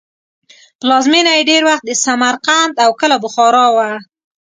پلازمینه یې ډېر وخت سمرقند او کله بخارا وه.